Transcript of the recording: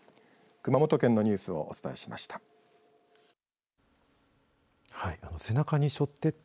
熊本県のニュースをお伝えしました。